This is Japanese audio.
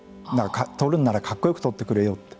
撮るんならかっこよく撮ってくれよって。